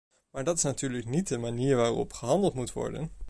Maar dat is natuurlijk niet de manier waarop gehandeld moet worden.